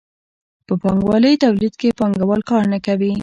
په پانګوالي تولید کې پانګوال کار نه کوي.